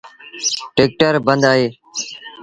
ٽيڪٽر بند اهي۔